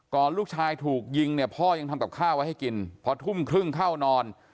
ลูกชายถูกยิงเนี่ยพ่อยังทำกับข้าวไว้ให้กินพอทุ่มครึ่งเข้านอน